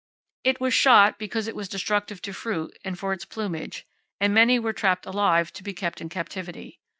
It was shot because it was destructive to fruit and for its plumage, and many were trapped alive, to be kept in captivity.